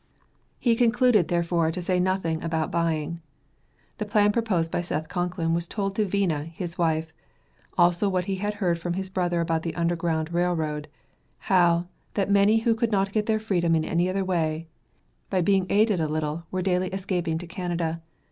He concluded, therefore, to say nothing about buying. The plan proposed by Seth Concklin was told to Vina, his wife; also what he had heard from his brother about the Underground Rail Road, how, that many who could not get their freedom in any other way, by being aided a little, were daily escaping to Canada.